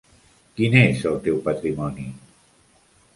Quin és el teu patrimoni?